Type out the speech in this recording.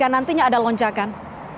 nantinya ada lonjakan